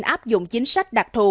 áp dụng chính sách đặc thù